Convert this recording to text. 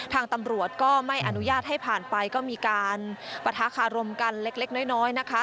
ทางตำรวจก็ไม่อนุญาตให้ผ่านไปก็มีการปะทะคารมกันเล็กน้อยนะคะ